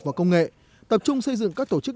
và công nghệ tập trung xây dựng các tổ chức